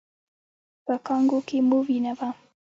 په کانګو کې مو وینه وه؟